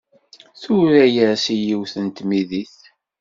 Tura-as i yiwet n tmidit.